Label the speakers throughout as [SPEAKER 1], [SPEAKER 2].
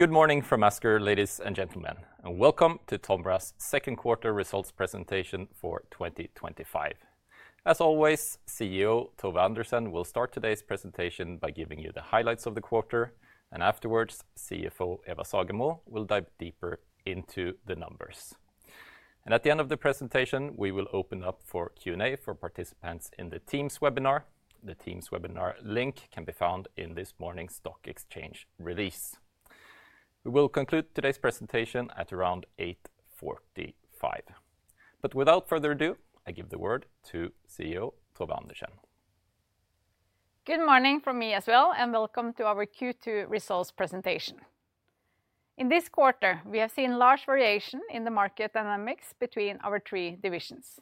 [SPEAKER 1] Good morning from Asker, ladies and gentlemen, and welcome to Tomra's Second Quarter Results Presentation for 2025. As always, CEO Tove Andersen will start today's presentation by giving you the highlights of the quarter, and afterwards CFO Eva Sagemo will dive deeper into the numbers. At the end of the presentation, we will open up for Q&A for participants in the Teams webinar. The Teams webinar link can be found in this morning's Stock Exchange Change Release. We will conclude today's presentation at around 8:45 A.M., but without further ado I give the word to CEO Tove Andersen.
[SPEAKER 2] Good morning from me as well and welcome to our Q2 Results Presentation. In this quarter we have seen large variation in the market dynamics between our three divisions.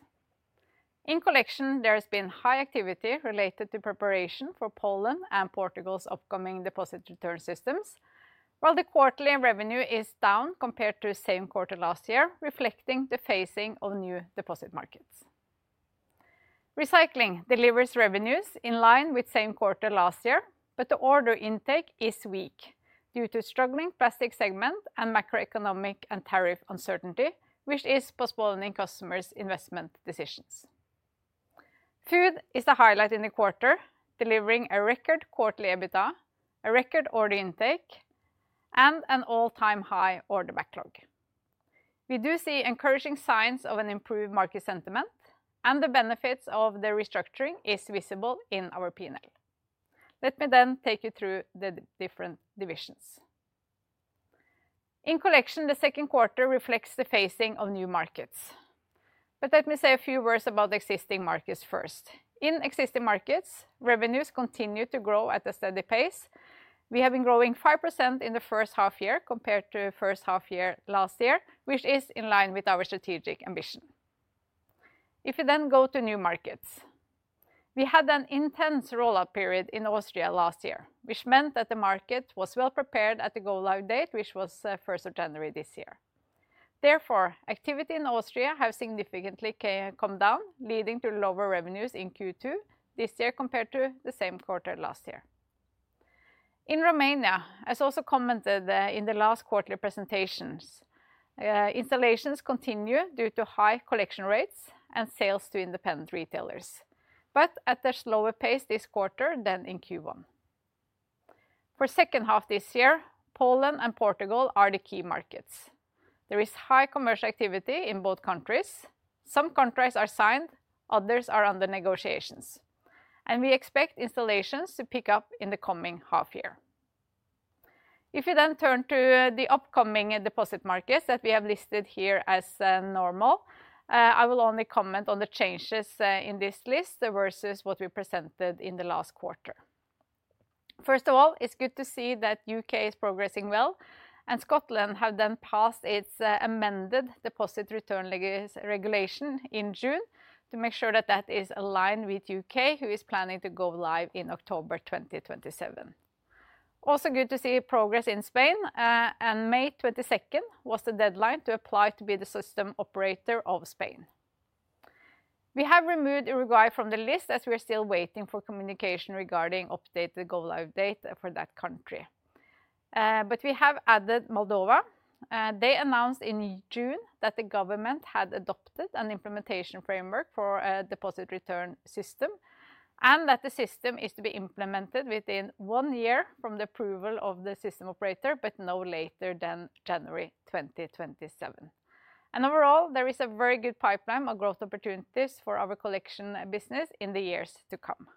[SPEAKER 2] In Collection, there has been high activity related to preparation for Poland and Portugal's upcoming deposit return systems, while the quarterly revenue is down compared to the same quarter last year, reflecting the phasing of new deposit markets. Recycling delivers revenues in line with the same quarter last year, but the order intake is weak due to struggling plastic segment and macroeconomic and tariff uncertainty, which is postponed in customers' investment decisions. Food is the highlight in the quarter, delivering a record quarterly EBITDA, a record order intake, and an all-time high order backlog. We do see encouraging signs of an improved market sentiment and the benefits of the restructuring is visible in our P&L. Let me then take you through the different divisions in Collection. The second quarter reflects the phasing of new markets, but let me say a few words about existing markets first. In existing markets, revenues continue to grow at a steady pace. We have been growing 5% in the first half year compared to the first half year last year, which is in line with our strategic ambition. If we then go to new markets, we had an intense rollout period in Austria last year, which meant that the market was well prepared at the Go Live date, which was 1st of January this year. Therefore, activity in Austria has significantly come down, leading to lower revenues in Q2 this year compared to the same quarter last year. In Romania, as also commented in the last quarterly presentations, installations continue due to high collection rates and sales to independent retailers, but at a slower pace this quarter than in Q1. For the second half this year, Poland and Portugal are the key markets. There is high commercial activity in both countries. Some contracts are signed, others are under negotiations, and we expect installations to pick up in the coming half year. If we then turn to the upcoming deposit markets that we have listed here as normal, I will only comment on the changes in this list versus what we presented in the last quarter. First of all, it's good to see that U.K. is progressing well and Scotland has then passed its amended deposit return regulation in June to make sure that that is aligned with U.K., who is planning to go live in October 2027. Also good to see progress in Spain. May 22nd was the deadline to apply to be the system operator of Spain. We have removed Uruguay from the list as we are still waiting for communication regarding updated go live data for that country, but we have added Moldova. They announced in June that the government had adopted an implementation framework for a deposit return system and that the system is to be implemented within one year from the approval of the system operator, but no later than January 2027. Overall, there is a very good pipeline of growth opportunities for our Collection business in the years to come.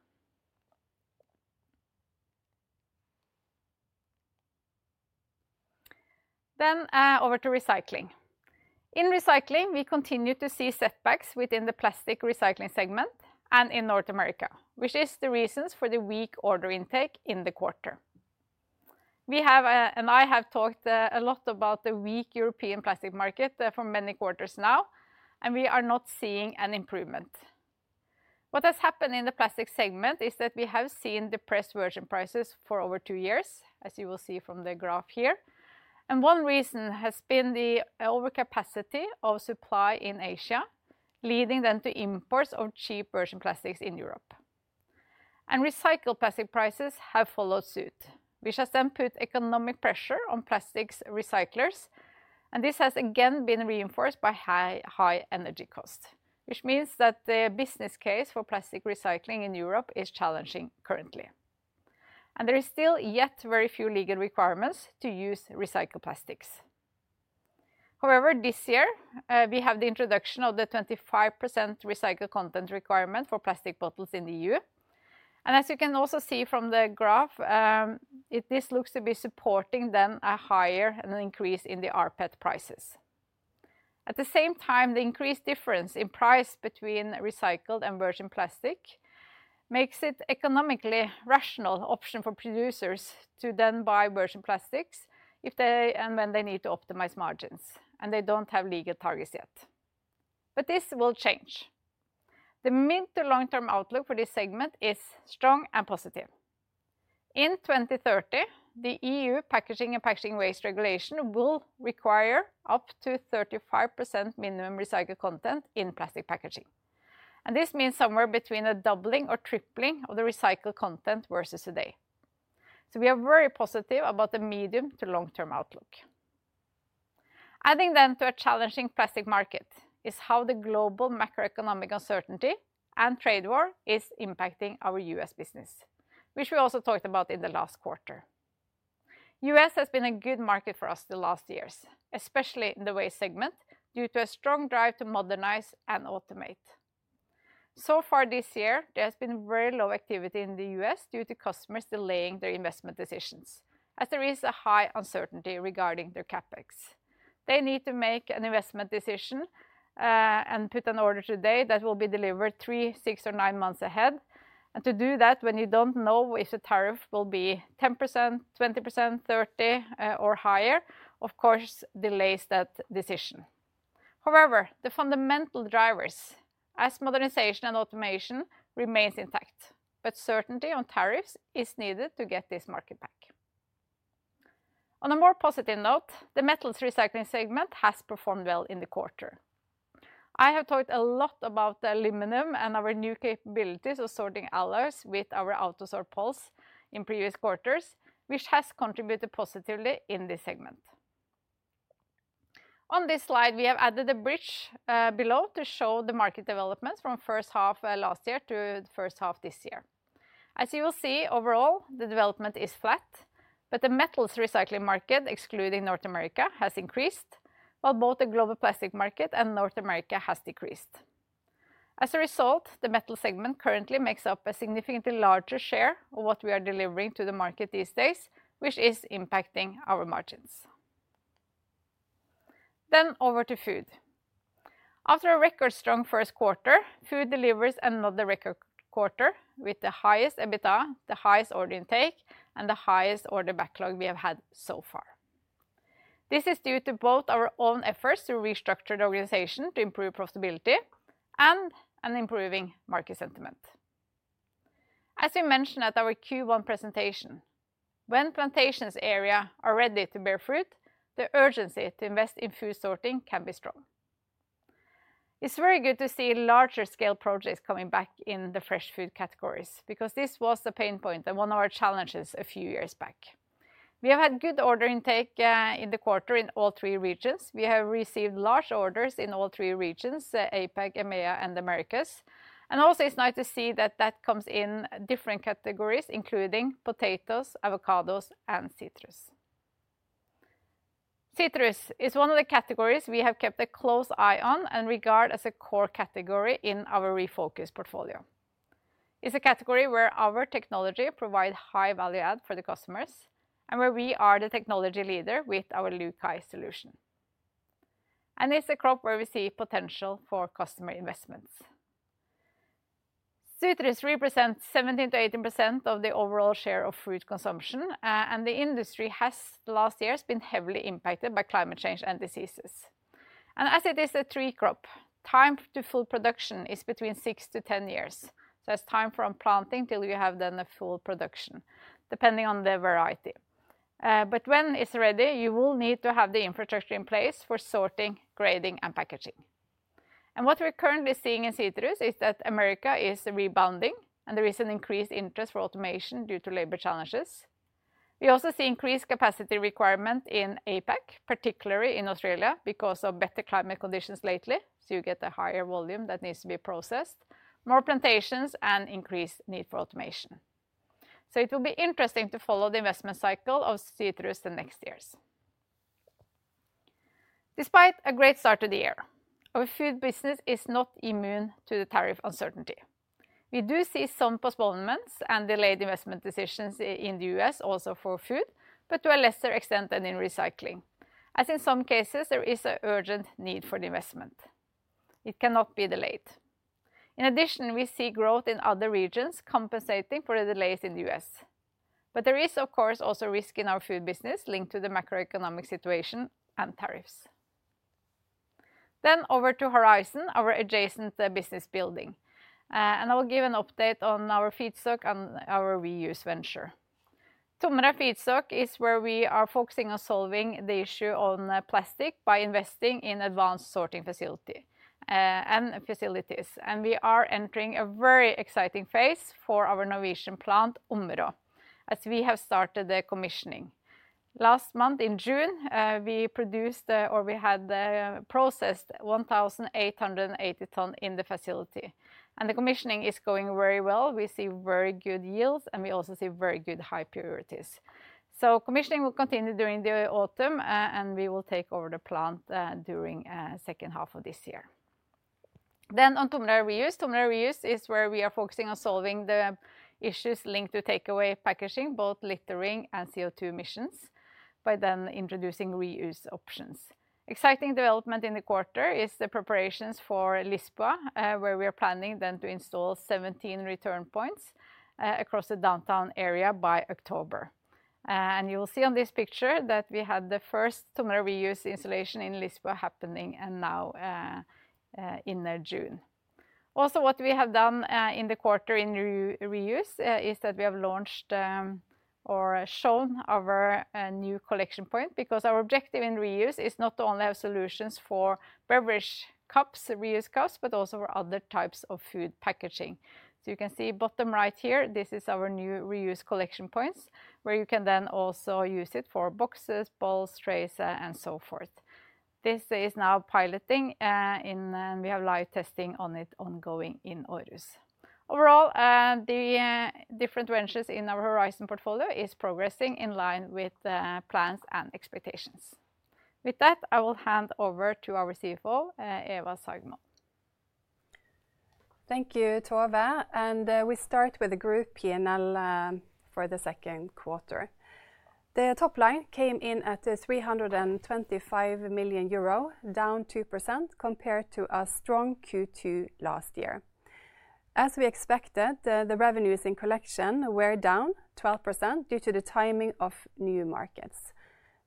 [SPEAKER 2] Over to Recycling. In Recycling, we continue to see setbacks within the plastic recycling segment and in North America, which is the reason for the weak order intake in the quarter. I have talked a lot about the weak European plastic market for many quarters now and we are not seeing an improvement. What has happened in the plastics segment is that we have seen depressed virgin prices fall over two years, as you will see from the graph here, and one reason has been the overcapacity of supply in Asia leading to imports of cheap virgin plastics in Europe. Recycled plastic prices have followed suit, which has put economic pressure on plastics recyclers, and this has again been reinforced by high energy costs, which means that the business case for plastic recycling in Europe is challenging. Currently, there are still very few legal requirements to use recycled plastics. However, this year we have the introduction of the 25% recycled content requirement for plastic bottles in the EU, and as you can also see from the graph, this looks to be supporting a higher increase in the ARPET prices. At the same time, the increased difference in price between recycled and virgin plastic makes it an economically rational option for producers to buy virgin plastics when they need to optimize margins and they don't have legal targets yet. This will change. The mid to long term outlook for this segment is strong and positive. In 2030, the EU Packaging and Packaging Waste Regulation will require up to 35% minimum recycled content in plastic packaging, and this means somewhere between a doubling or tripling of the recycled content versus today. We are very positive about the medium to long term outlook. Adding then to a challenging plastic market is how the global macroeconomic uncertainty and trade war is impacting our U.S. business, which we also talked about in the last quarter. U.S. has been a good market for us the last years, especially in the waste segment due to a strong drive to modernize and automate. So far this year, there has been very low activity in the U.S. due to customers delaying their investment decisions as there is a high uncertainty regarding their CapEx. They need to make an investment decision and put an order today that will be delivered three, six, or nine months ahead, and to do that when you don't know if the tariff will be 10%, 20%, 30% or higher, of course, delays that decision. However, the fundamental drivers as modernization and automation remain intact, but certainty on tariffs is needed to get this market back. On a more positive note, the metals recycling segment has performed well in the quarter. I have talked a lot about the aluminium and our new capabilities of sorting alloys with our Autosort Pulse in previous quarters, which has contributed positively in this segment. On this slide, we have added a bridge below to show the market developments from first half last year to first half this year. As you will see, overall the development is flat, but the metals recycling market excluding North America has increased while both the global plastics market and North America has decreased as a result. The metal segment currently makes up a significantly larger share of what we are delivering to the market these days, which is impacting our margins. Over to food. After a record strong first quarter, food delivers another record quarter with the highest EBITDA, the highest order intake, and the highest order backlog we have had so far. This is due to both our own efforts to restructure the organization to improve profitability and an improving market sentiment. As we mentioned at our Q1 presentation, when plantations area are ready to bear fruit, the urgency to invest in food sorting can be strong. It's very good to see larger scale projects coming back in the fresh food categories because this was the pain point and one of our challenges a few years back. We have had good order intake in the quarter in all three regions. We have received large orders in all three regions, APAC, EMEA, and Americas, and also it's nice to see that that comes in different categories including potatoes, avocados, and citrus. Citrus is one of the categories we have kept a close eye on and regard as a core category in our refocus portfolio. It's a category where our technology provides high value add for the customers and where we are the technology leader with our LUCAi solution. It's a crop where we see potential for customer investments. Citrus represents 17% to 18% of the overall share of fruit consumption and the industry last year has been heavily impacted by climate change and diseases. As it is a tree crop, time to full production is between six to ten years. It's time from planting till you have done a full production, depending on the variety. When it's ready, you will need to have the infrastructure in place for sorting, grading, and packaging. What we're currently seeing in citrus is that America is rebounding and there is an increased interest for automation due to labor challenges. We also see increased capacity requirement in APAC, particularly in Australia because of better climate conditions lately. You get a higher volume that needs to be processed, more plantations, and increased need for automation. It will be interesting to follow the investment cycle of citrus the next years. Despite a great start to the year, our food business is not immune to the tariff uncertainty. We do see some postponements and delayed investment decisions in the U.S. also for food, but to a lesser extent than in recycling, as in some cases there is an urgent need for the investment, it cannot be delayed. In addition, we see growth in other regions compensating for the delays in the U.S., but there is of course also risk in our food business linked to the macroeconomic situation and tariffs. Over to Horizon, our adjacent business building, and I will give an update on our feedstock and our reuse venture. TOMRA Feedstock is where we are focusing on solving the issue on plastic by investing in advanced sorting facilities. We are entering a very exciting phase for our Norwegian plant Umbera as we have started the commissioning. Last month in June, we produced or we had processed 1,880 tonne in the facility and the commissioning is going very well. We see very good yields and we also see very good high priorities. Commissioning will continue during the autumn and we will take over the plant during the second half of this year. On TOMRA Reuse, TOMRA Reuse is where we are focusing on solving the issues linked to takeaway packaging, both littering and CO2 emissions by introducing reuse options. An exciting development in the quarter is the preparations for Lisbon, where we are planning to install 17 return points across the downtown area by October. You will see on this picture that we had the first two reuse installations in Lisbon happening now in June. Also, what we have done in the quarter in reuse is that we have launched or shown our new collection point because our objective in reuse is not to only have solutions for beverage cups, reuse cups, but also for other types of food packaging. You can see bottom right here, this is our new reuse collection point where you can also use it for boxes, bowls, trays, and so forth. This is now piloting, and we have live testing on it ongoing in Europe. Overall, the different ventures in our Horizon portfolio are progressing in line with plans and expectations. With that, I will hand over to our CFO Eva Sagemo.
[SPEAKER 3] Thank you Tove and we start with the group P&L, for the second quarter, the top line came in at 325 million euro, down 2% compared to a strong Q2 last year. As we expected, the revenues in Collection were down 12% due to the timing of new markets.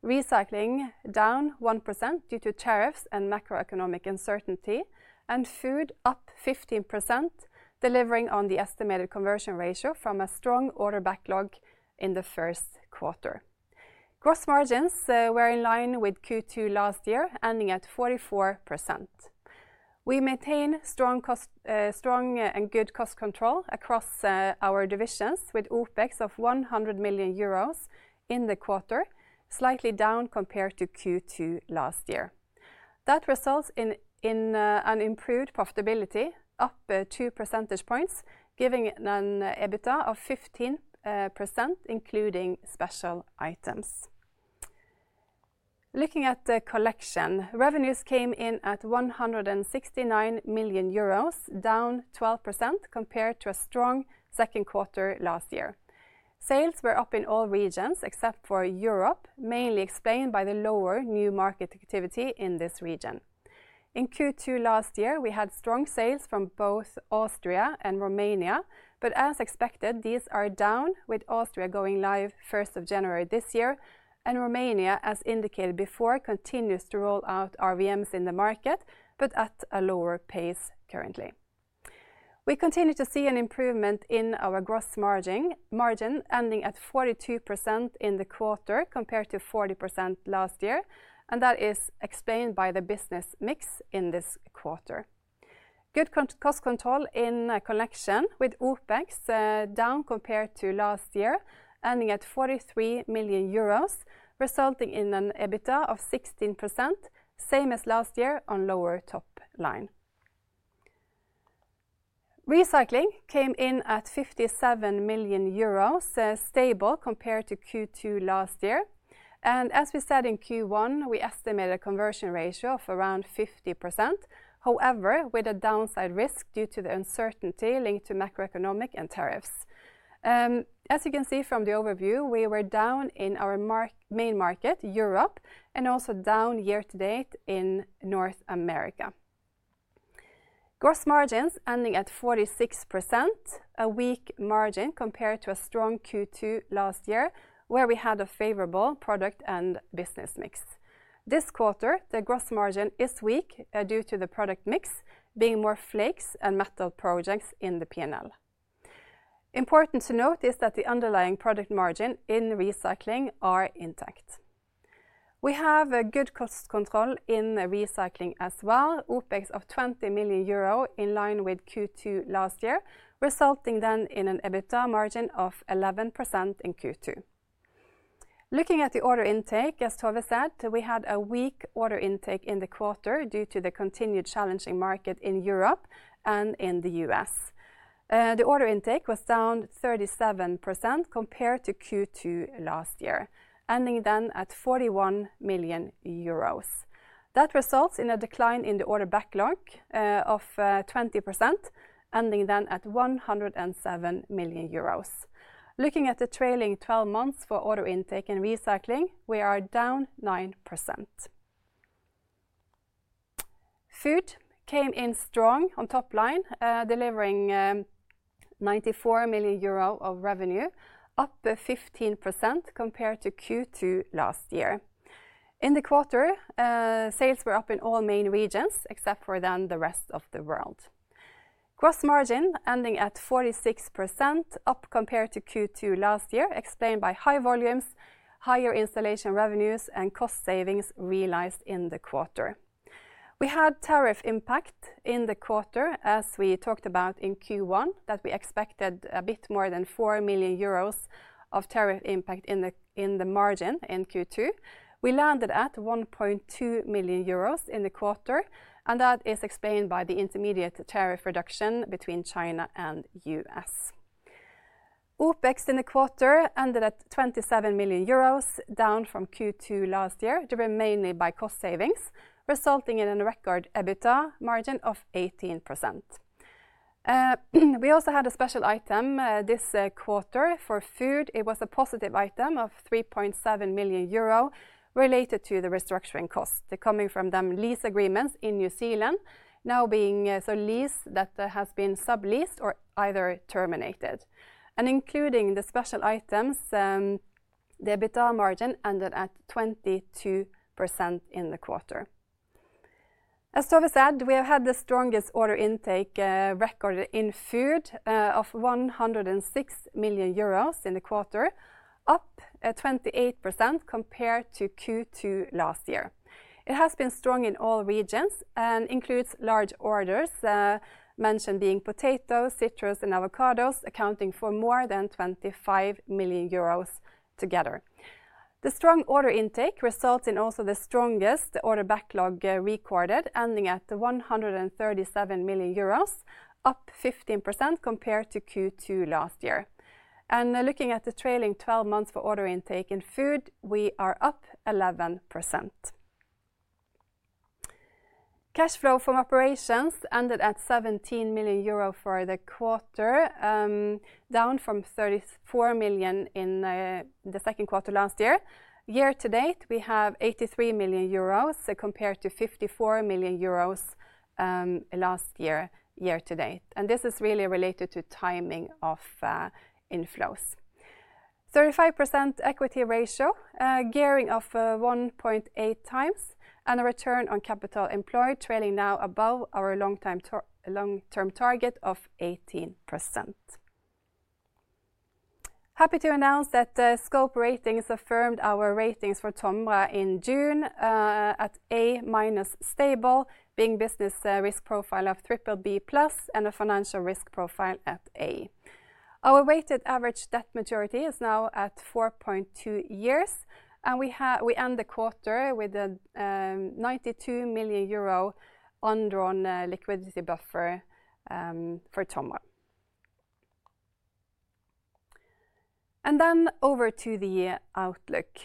[SPEAKER 3] Recycling down 1% due to tariffs and macroeconomic uncertainty, and Food up 15% delivering on the estimated conversion ratio from a strong order backlog in the first quarter. Gross margins were in line with Q2 last year, ending at 44%. We maintain strong and good cost control across our divisions with OpEx of 100 million euros in the quarter, slightly down compared to Q2 last year. That results in an improved profitability, up 2 percentage points, giving an EBITDA of 15% including special items. Looking at Collection, revenues came in at 169 million euros, down 12% compared to a strong second quarter last year. Sales were up in all regions except for Europe, mainly explained by the lower new market activity in this region. In Q2 last year, we had strong sales from both Austria and Romania, but as expected these are down with Austria going live first of January this year and Romania, as indicated before, continues to roll out reverse vending machines in the market but at a lower pace. Currently, we continue to see an improvement in our gross margin, ending at 42% in the quarter compared to 40% last, and that is explained by the business mix in this quarter. Good cost control in connection with OpEx, down compared to last year, ending at 43 million euros, resulting in an EBITDA of 16%, same as last year. On lower top line, Recycling came in at 57 million euros, stable compared to Q2 last year, and as we said in Q1, we estimated a conversion ratio of around 50%, however with a downside risk due to the uncertainty linked to macroeconomic and tariffs. As you can see from the overview, we were down in our main market Europe and also down year-to-date. In North America, gross margins ending at 46%, a weak margin compared to a strong Q2 last year where we had a favorable product and business mix. This quarter, the gross margin is weak due to the product mix being more flakes and metal projects in the P&L. Important to note is that the underlying product margin in Recycling are intact. We have good cost control in Recycling as well. OpEx of 20 million euro in line with Q2 last year, which resulting then in an EBITDA margin of 11% in Q2. Looking at the order intake, as Tove said, we had a weak order intake in the quarter due to the continued challenging market in Europe, and in the U.S. the order intake was down 37% compared to Q2 last year, ending then at 41 million euros. That results in a decline in the order backlog of 20%, ending then at 107 million euros. Looking at the trailing 12 months for order intake in Recycling, we are down 9%. Food came in strong on top line, delivering 94 million euro of revenue, up 15% compared to Q2 last year. In the quarter, sales were up in all main regions except for the rest of the world. Gross margin ending at 46%, up compared to Q2 last year, explained by high volumes, higher installation revenues, and cost savings realized in the quarter. We had tariff impact in the quarter, as we talked about in Q1, that we expected a bit more than 4 million euros of tariff impact in the margin. In Q2, we landed at 1.2 million euros in the quarter, and that is explained by the intermediate tariff reduction between China and the U.S. OpEx in the quarter ended at 27 million euros, down from Q2 last year, driven mainly by cost savings, resulting in a record EBITDA margin of 18%. We also had a special item this quarter for Food. It was a positive item of 3.7 million euro related to the restructuring costs. They're coming from lease agreements in New Zealand and now being leases that have been subleased or either terminated, and including the special items, the EBITDA margin ended at 22% in the quarter. As Tove said, we have had the strongest order intake record Food of 106 million euros in the quarter, up 28% compared to Q2 last year. It has been strong in all regions and includes large orders mentioned, being potatoes, citrus, and avocados, accounting for more than 25 million euros together. The strong order intake results in also the strongest order backlog recorded, ending at 137 million euros, up 15% compared to Q2 last year. Looking at the trailing 12 months for order intake in Food, we are up 11%. Cash flow from operations ended at 17 million euro for the quarter, down from 34 million in the second quarter last year. Year-to-date, we have 83 million euros compared to 54 million euros last year year-to-date, and this is really related to timing of inflows. 35% equity ratio, gearing of 1.8 times, and a return on capital employed, trailing now above our long term target of 18%. Happy to announce that Scope Ratings affirmed our ratings for Tomra in June at a stable, being business risk profile of triple B plus and a financial risk profile at a. Our weighted average debt maturity is now at 4.2 years and we end the quarter with a 92 million euro undrawn liquidity buffer for Tomra. Then over to the outlook.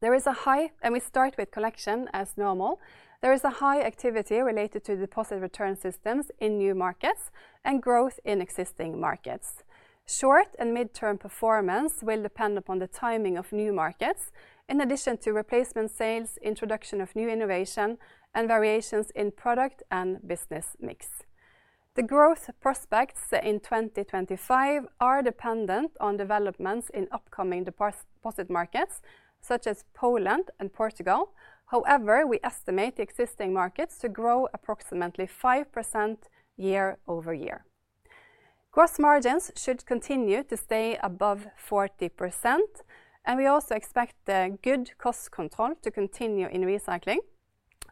[SPEAKER 3] There is a high, and we start with Collection as normal. There is a high activity related to deposit return systems in new markets and growth in existing markets. Short and mid term performance will depend upon the timing of new markets in addition to replacement sales, introduction of new innovation, and variations in product and business mix. The growth prospects in 2025 are dependent on developments in upcoming deposit markets such as Poland and Portugal. However, we estimate the existing markets to grow approximately 5% year over year. Gross margins should continue to stay above 40% and we also expect good cost control to continue in recycling,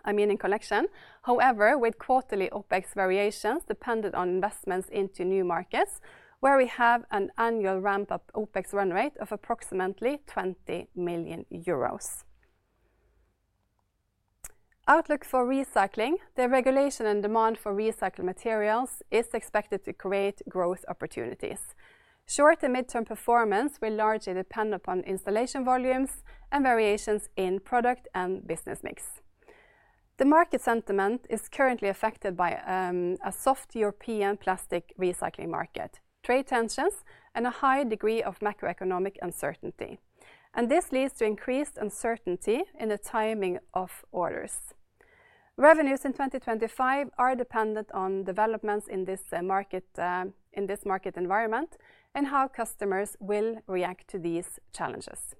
[SPEAKER 3] I mean in Collection. However, with quarterly OpEx variations dependent on investments into new markets where we have an annual ramp up OpEx run rate of approximately 20 million euros. Outlook for Recycling, the regulation and demand for recycled materials is expected to create growth opportunities. Short and mid term performance will largely depend upon installation volumes and variations in product and business mix. The market sentiment is currently affected by a soft European plastic recycling market, trade tensions, and a high degree of macroeconomic uncertainty. This leads to increased uncertainty in the timing of orders. Revenues in 2025 are dependent on developments in this market environment and how customers will react to these challenges.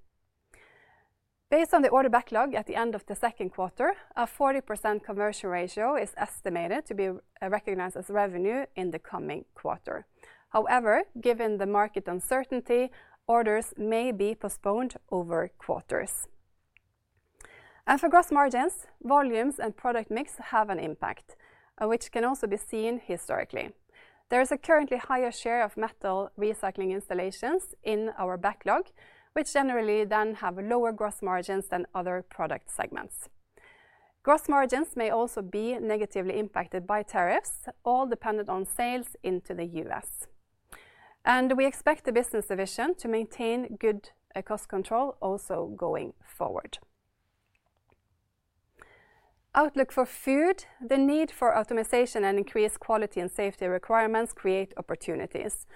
[SPEAKER 3] Based on the order backlog at the end of the second quarter, a 40% conversion ratio is estimated to be recognized as revenue in the coming quarter. However, given the market uncertainty, orders may be postponed over quarters and for gross margins. Volumes and product mix have an impact which can also be seen historically. There is a currently higher share of metal recycling installations in our backlog which generally then have lower gross margins than other product segments. Gross margins may also be negatively impacted by tariffs, all dependent on sales into the U.S., and we expect the business division to maintain good cost control also going forward. Outlook for Food, the need for optimization and increased quality and safety requirements create opportunities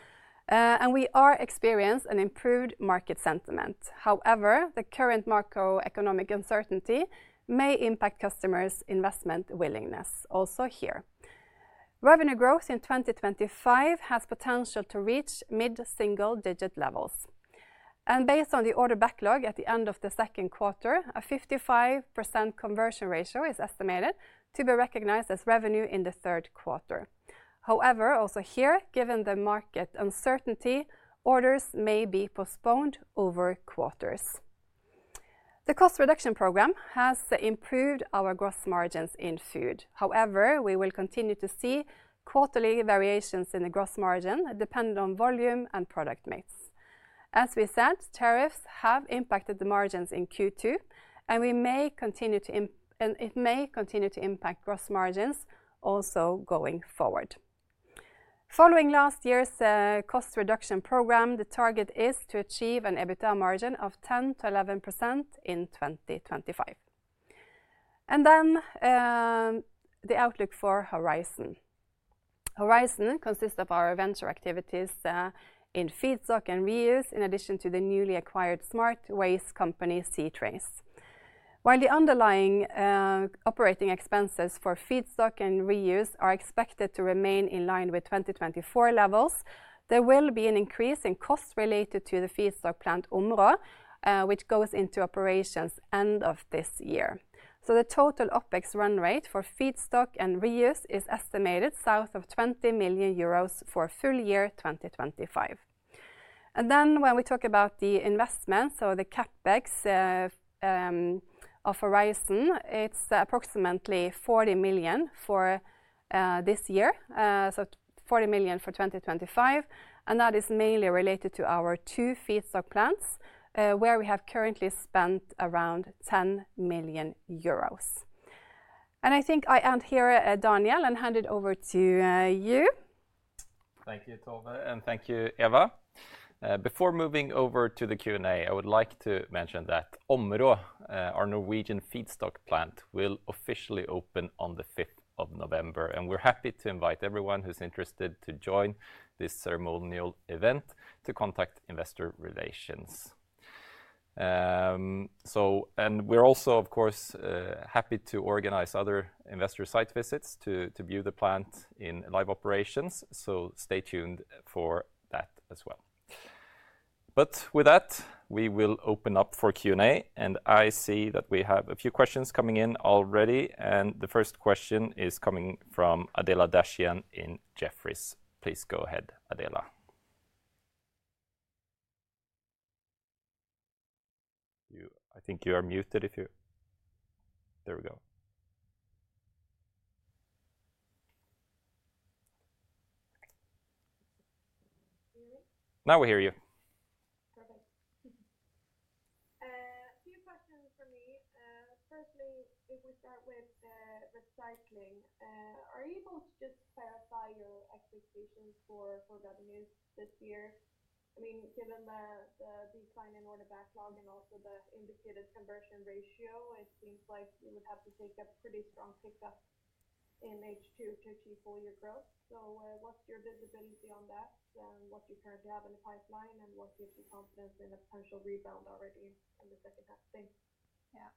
[SPEAKER 3] and we are experiencing an improved market sentiment. However, the current macroeconomic uncertainty may impact customers' investment willingness. Also here, revenue growth in 2025 has potential to reach mid single digit levels and based on the order backlog at the end of the second quarter, a 55% conversion ratio is estimated to be recognized as revenue in the third quarter. However, also here, given the market uncertainty, orders may be postponed or over quarters. The cost reduction program has improved our gross margins in Food. However, we will continue to see quarterly variations in the gross margin depending on volume and product mix. As we said, tariffs have impacted the margins in Q2 and it may continue to impact gross margins also going forward. Following last year's cost reduction program, the target is to achieve an EBITDA margin of 10% to 11% in 2025. The outlook for Horizon consists of our venture activities in feedstock and reuse, in addition to the newly acquired smart waste company C-Trace. While the underlying operating expenses for feedstock and reuse are expected to remain in line with 2024 levels, there will be an increase in costs related to the feedstock plant in Norway, which goes into operations end of this year. The total OpEx run rate for feedstock and reuse is estimated south of 20 million euros for full year 2025. When we talk about the investments or the CapEx of Horizon, it's approximately 40 million for this year, so 40 million for 2025. That is mainly related to our two feedstock plants where we have currently spent around 10 million euros. I think I end here, Daniel, and hand it over to you.
[SPEAKER 1] Thank you, Tove, and thank you, Eva. Before moving over to the Q&A, I would like to mention that Områ, our Norwegian feedstock plant, will officially open on the 5th of November. We're happy to invite everyone who's interested to join this ceremonial event to contact Investor Relations. We're also, of course, happy to organize other investor site visits to view the plant in live operations. Stay tuned for that as well. With that, we will open up for Q&A. I see that we have a few questions coming in already. The first question is coming from Adela Dashian in Jefferies. Please go ahead. Adela, I think you are muted. There we go. Now we hear you.
[SPEAKER 4] Perfect. A few questions for me. Firstly, if we start with Recycling, are you able to just clarify your expectations for revenues this year? I mean, given the decline in order backlog and also the indicated conversion ratio, it seems like you would have to take a pretty strong pickup in H2 to achieve full year growth. What's your visibility on that, what you currently have in the pipeline? What gives you confidence in a potential rebound already in the second half?
[SPEAKER 3] Year-to-date,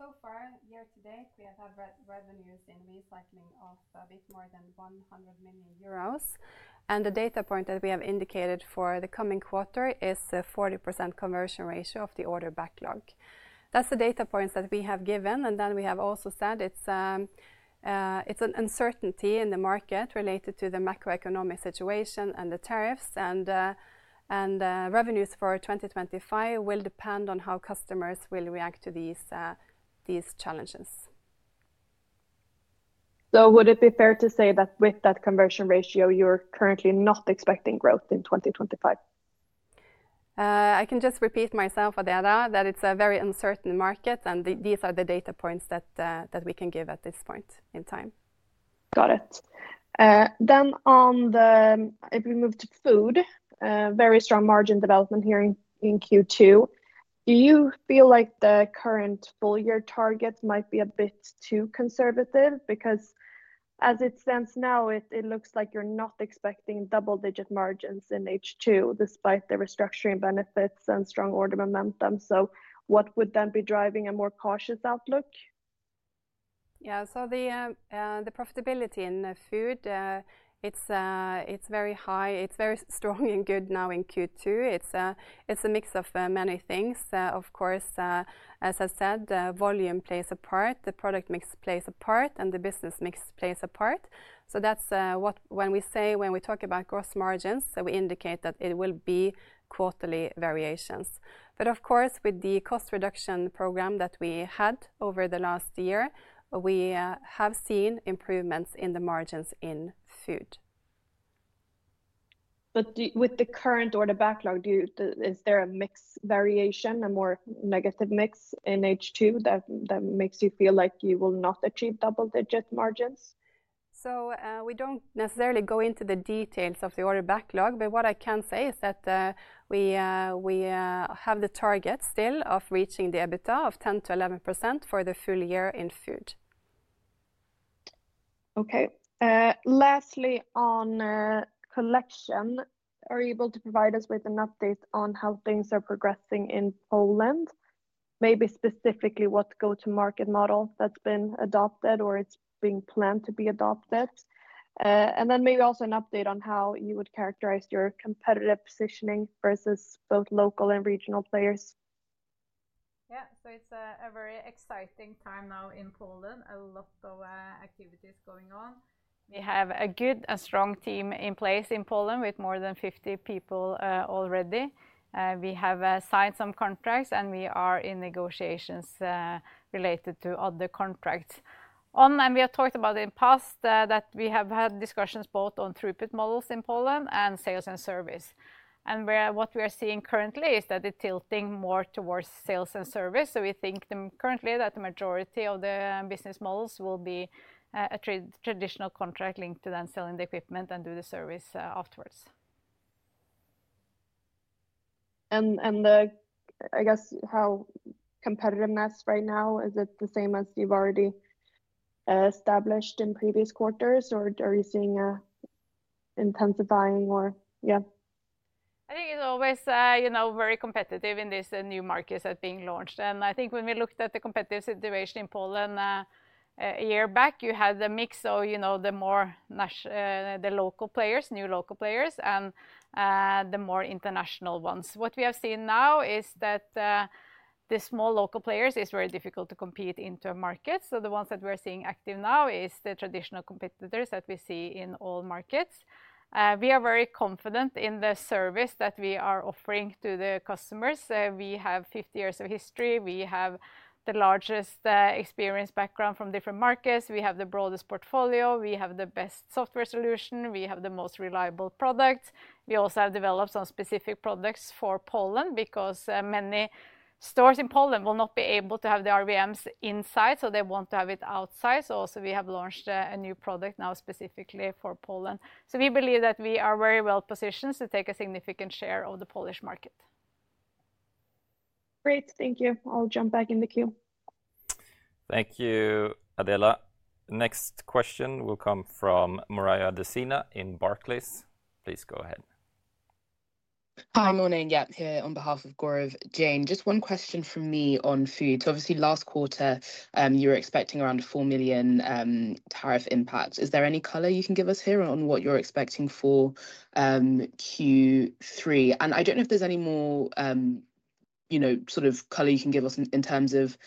[SPEAKER 3] we have had revenues in Recycling of a bit. More than 100 million euros. The data point that we have indicated for the coming quarter is 40% conversion ratio of the order backlog. That's the data point that we have given. We have also said it's an uncertainty in the market related to the macroeconomic situation. The tariffs and revenues for 2025 will depend on how customers will react to these challenges.
[SPEAKER 4] Would it be fair to say that with that conversion ratio you're currently not expecting growth in 2025?
[SPEAKER 3] I can just repeat myself, Adela, that it's a very uncertain market, and these are the data points that we can give at this point in time.
[SPEAKER 4] If we move to Food, very strong margin development here in Q2. Do you feel like the current full year target might be a bit too conservative? Because as it stands now, it looks like you're not expecting double digit margins in H2 despite the restructuring benefits and strong order momentum. What would then be driving a more cautious outlook?
[SPEAKER 3] Yeah, so the profitability in Food, it's very high, it's very strong and good. Now in Q2, it's a mix of many things. Of course, as I said, volume plays a part, the product mix plays a part, and the business mix plays a part. That's what, when we say, when we talk about gross margins, we indicate that it will be quarterly variations. Of course, with the cost reduction program that we had over the last year, we have seen improvements in the margins in Food.
[SPEAKER 4] With the current order backlog, is there a mix variation, a more negative mix in H2 that makes you feel like you will not achieve double digit margins?
[SPEAKER 3] We don't necessarily go into the details of the order backlog, but what I can say is that we have the target still of reaching the EBITDA of 10 to 11% for the full year in Food.
[SPEAKER 4] Okay. Lastly, on Collection, are you able to provide us with an update on how things are progressing in Poland? Maybe specifically what go to market model that's been adopted or is being planned to be adopted. Maybe also an update on how you would characterize your competitive positioning versus both local and regional players?
[SPEAKER 3] Yeah, so it's a very exciting time now in Poland, a lot of activities going on. We have a good and strong team in place in Poland with more than 50 people already. We have signed some contracts, and we are in negotiations related to other contracts, and we have talked about in the past that we have had discussions both on throughput models in Poland and sales and service. What we are seeing currently is that it's tilting more towards sales and service. We think currently that the majority of the business models will be a traditional contract linked to then selling the equipment and doing the service afterwards.
[SPEAKER 4] How is competitiveness right now? Is it the same as you've already established in previous quarters, or are you seeing it intensifying more?
[SPEAKER 3] I think it's always very competitive in these new markets that are being launched. I think when we looked at the competitive situation in Poland a year back, you had the mix, the more local players, new local players, and the more international ones. What we have seen now is that the small local players find it very difficult to compete in the market. The ones that we're seeing active now are the traditional competitors that we see in all markets. We are very confident in the service that we are offering to the customers. We have 50 years of history, we have the largest experience and background from different markets. We have the broadest portfolio, we have the best software solution, we have the most reliable products. We have also developed some specific products for Poland because many stores in Poland will not be able to have the reverse vending machines inside, so they want to have them outside. We have launched a new product now specifically for Poland. So. We believe that we are very well positioned to take a significant share of the Polish market.
[SPEAKER 4] Great, thank you. I'll jump back in the queue.
[SPEAKER 1] Thank you, Adela. Next question will come from Maria Dasina in Barclays. Please go ahead.
[SPEAKER 5] Hi. Morning. Here on behalf of Gaurav, Jane, just one question from me on Food. Obviously, last quarter you were expecting around $4 million tariff impacts. Is there any color you can give us here on what you're expecting for Q3? I don't know if there's any more color you can give us in terms of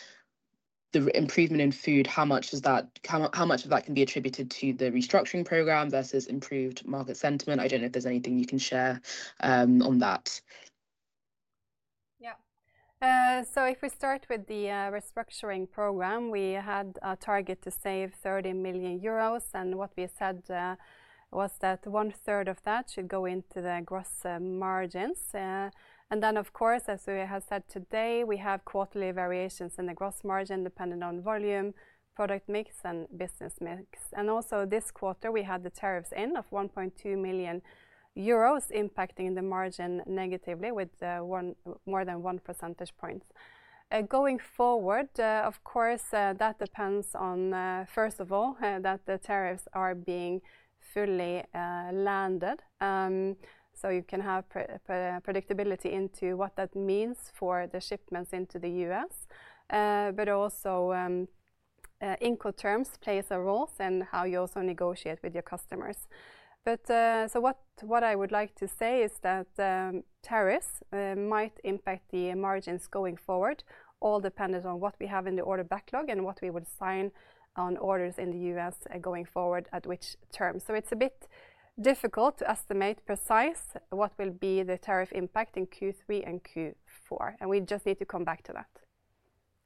[SPEAKER 5] the improvement in Food. How much of that can be attributed to the restructuring program versus improved market sentiment? I don't know if there's anything you can share on that.
[SPEAKER 3] Yeah. If we start with the restructuring program, we had a target to save 30 million euros and what we said was that one third of that should go into the gross margins. As we have said today, we have quarterly variations in the gross margin depending on volume, product mix, and business mix. This quarter we had the tariffs in of 1.2 million euros impacting the margin negatively with more than 1% going forward. Of course, that depends on, first of all, that the tariffs are being fully landed. You can have predictability into what that means for the shipments into the U.S., but also Incoterms plays a role in how you also negotiate with your customers. What I would like to say is that tariffs might impact the margins going forward, all dependent on what we have in the order backlog and what we would sign on orders in the U.S. going forward at which term. It's a bit difficult to estimate precise what will be the tariff impact in Q3 and Q4. We just need to come back to that.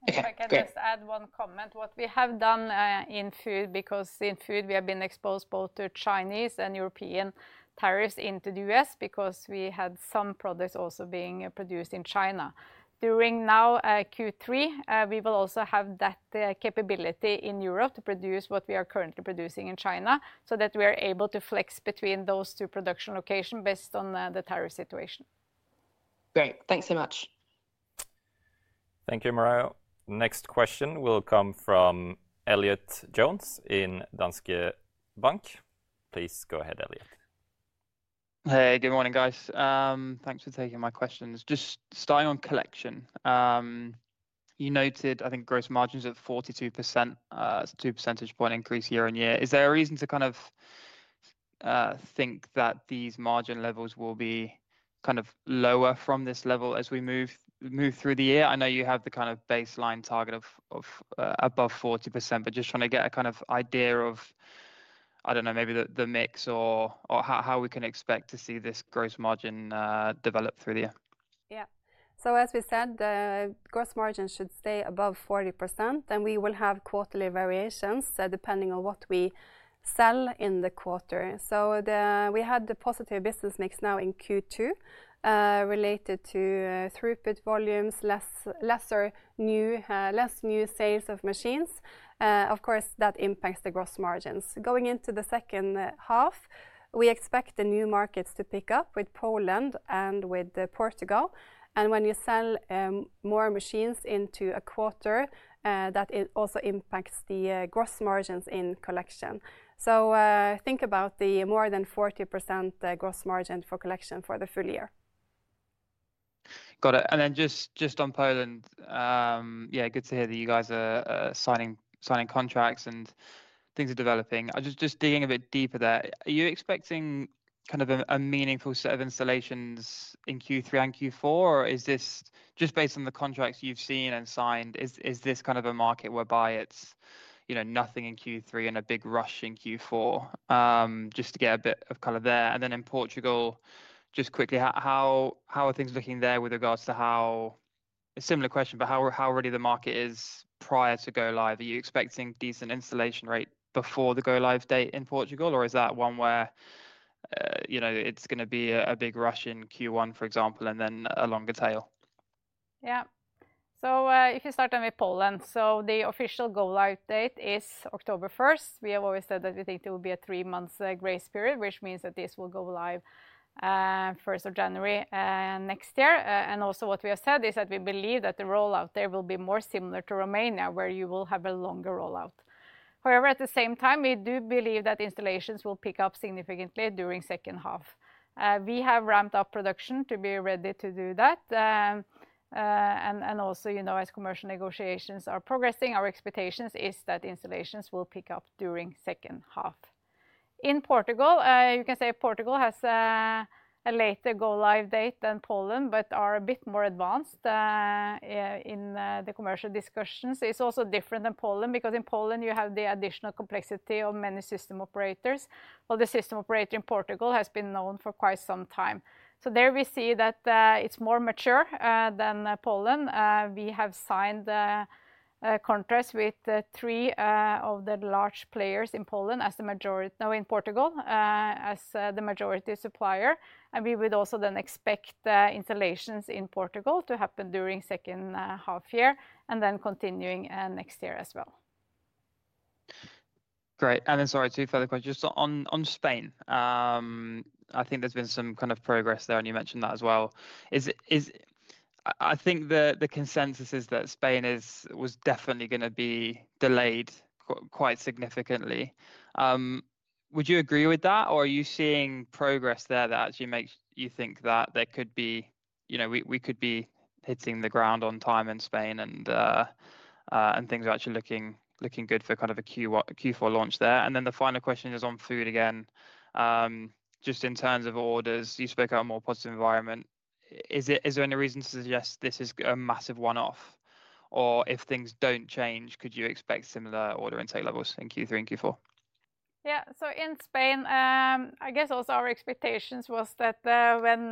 [SPEAKER 2] If I can just add one comment. What we have done in Food, because in Food we have been exposed both to Chinese and European tariffs into the U.S. because we had some products also being produced in China during now Q3. We will also have that capability in Europe to produce what we are currently producing in China, so that we are able to flex between those two production locations based on the tariff situation.
[SPEAKER 5] Great, thanks so much.
[SPEAKER 1] Thank you, Maria. Next question will come from Elliott Jones in Danske Bank. Please go ahead, Elliott.
[SPEAKER 6] Hey, good morning guys. Thanks for taking my questions. Just starting on Collection, you noted I think gross margins at 42%, 2 percentage point increase year-on-year. Is there a reason to kind of think that these margin levels will be kind of lower from this level as we move through the year? I know you have the kind of baseline target of above 40%, but just trying to get a kind of idea of, I don't know, maybe the mix or how we can expect to see this gross margin develop through the year.
[SPEAKER 3] Yeah. Gross margin should stay above 40%, and we will have quarterly variations depending on what we sell in the quarter. We had the positive business mix now in Q2 related to throughput volumes, less new sales of machines. Of course, that impacts the gross margins going into the second half. We expect the new markets to pick up with Poland and with Portugal. When you sell more machines into a quarter, that also impacts the gross margins in Collection. Think about the more than 40% gross margin for Collection for the full year.
[SPEAKER 6] Got it. Just on Poland, good to hear that you guys are signing contracts and things are developing. I'm just digging a bit deeper there. Are you expecting kind of a meaningful set of installations in Q3 and Q4, or is this just based on the contracts you've seen and signed? Is this kind of a market whereby it's nothing in Q3 and a big rush in Q4, just to get a bit of color there. In Portugal, just quickly, how are things looking there with regards to a similar question, but how ready the market is prior to go live? Are you expecting decent installation rates before the go live date in Portugal, or is that one where it's going to be a big rush in Q1, for example, and then a longer tail?
[SPEAKER 2] Yeah. If you start on with Poland, the official go live date is October 1st. We have always said that we think there will be a three month grace period, which means that this will go live first of January next year. Also, what we have said is that we believe that the rollout there will be more similar to Romania where you will have a longer rollout. However, at the same time, we do believe that installations will pick up significantly during second half. We have ramped up production to be ready to do that. As commercial negotiations are progressing, our expectations is that installations will pick up during second half in Portugal. You can say Portugal has a later go live date than Poland, but are a bit more advanced in the commercial discussions. It's also different than Poland because in Poland you have the additional complexity of many system operators. The system operator in Portugal has been known for quite some time, so there we see that it's more mature than Poland. We have signed contracts with three of the large players in Poland as the majority now in Portugal as the majority supplier. We would also then expect installations in Portugal to happen during second half year and then continuing next year as well.
[SPEAKER 6] Great. Sorry, two further questions on Spain. I think there's been some kind of progress there and you mentioned that as well. Is it, I think the consensus is that Spain is, was definitely going to be delayed quite significantly. Would you agree with that or are you seeing progress there that actually makes you think that there could be, you know, we could be hitting the ground on time in Spain and things are actually looking good for kind of a Q4 launch there? The final question is on food. Again, just in terms of orders, you spoke out a more positive environment. Is there any reason to suggest this is a massive one off or if things don't change, could you expect similar order intake levels in Q3 and Q4?
[SPEAKER 2] Yeah. In Spain, I guess also our expectations were that when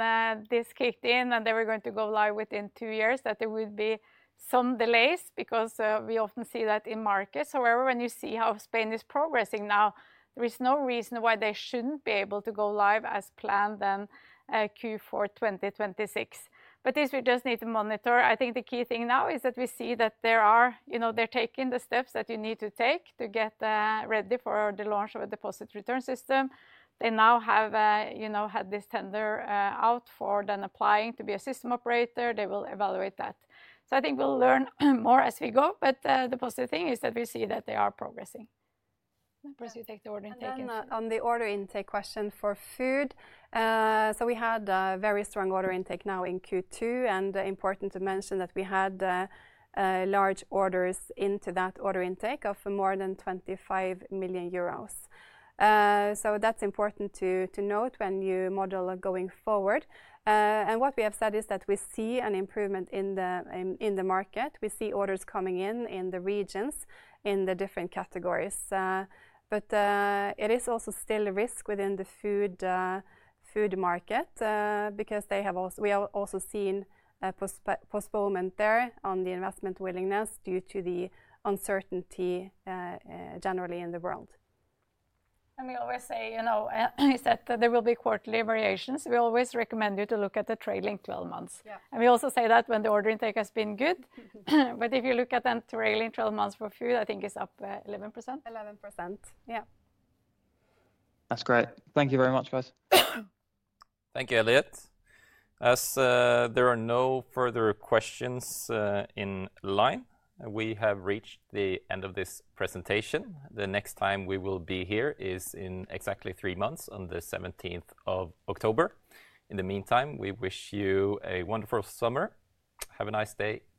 [SPEAKER 2] this kicked in and they were going to go live within two years, there would be some delays because we often see that in markets. However, when you see how Spain is progressing now, there is no reason why they shouldn't be able to go live as planned in Q4 2026. This we just need to monitor. I think the key thing now is that we see that they are taking the steps that you need to take to get ready for the launch of a deposit return system. They now have had this tender out for then applying to be a system operator. They will evaluate that. I think we'll learn more as we go. The positive thing is that we see that they are progressing.
[SPEAKER 3] On the order intake question for Food, we had very strong order intake now in Q2, and it is important to mention that we had large orders into that order intake of more than 25 million euros. That's important to note when you model going forward. What we have said is that we see an improvement in the market. We see orders coming in in the regions in the different categories, but it is also still a risk within the Food market because we have also seen postponement there on the investment willingness due to the uncertainty generally in the world.
[SPEAKER 2] We always say, you know, there will be quarterly variations. We always recommend you to look at the trailing 12 months. We also say that when the order intake has been good. If you look at that trailing 12 months for food, I think it's up 11%.
[SPEAKER 3] 11%, yeah.
[SPEAKER 6] That's great. Thank you very much, guys.
[SPEAKER 1] Thank you, Elliott. As there are no further questions in line, we have reached the end of this presentation. The next time we will be here is in exactly three months on 17th October. In the meantime, we wish you a wonderful summer. Have a nice day. Goodbye.